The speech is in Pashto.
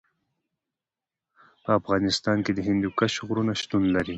په افغانستان کې د هندوکش غرونه شتون لري.